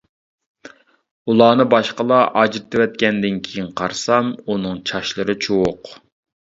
ئۇلارنى باشقىلار ئاجرىتىۋەتكەندىن كېيىن، قارىسام ئۇنىڭ چاچلىرى چۇۋۇق.